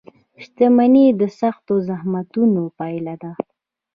• شتمني د سختو زحمتونو پایله ده.